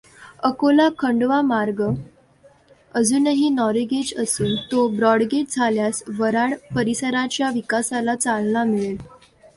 अकोला खण्डवा मार्ग अजुनही नॅरोगेज असून तो ब्रॉडगेज झाल्यास वर्हाड परीसराच्या विकासाला चालना मिळेल.